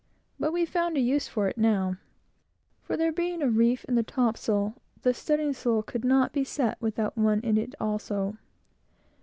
But we found a use for it now; for, there being a reef in the topsail, the studding sail could not be set without one in it also.